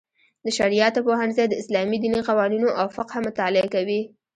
د شرعیاتو پوهنځی د اسلامي دیني قوانینو او فقه مطالعه کوي.